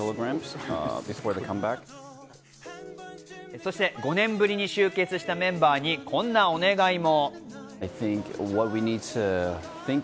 そして５年ぶりに集結したメンバーにこんなお願いも。